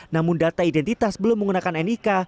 namun data identitas belum menggunakan nik